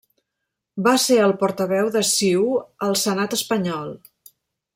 Va ser el Portaveu de CiU al Senat espanyol.